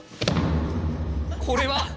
これは？